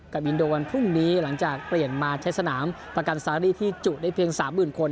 อินโดวันพรุ่งนี้หลังจากเปลี่ยนมาใช้สนามประกันซารี่ที่จุได้เพียง๓๐๐๐คน